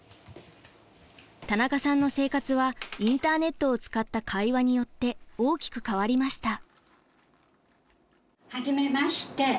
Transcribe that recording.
田中さんの生活はインターネットを使った会話によって大きく変わりました。